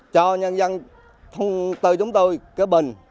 cho nhân dân thông tư chúng tôi cái bình